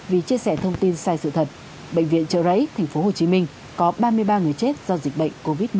vì chia sẻ thông tin sai sự thật bệnh viện trợ rẫy tp hcm có ba mươi ba người chết do dịch bệnh covid một mươi chín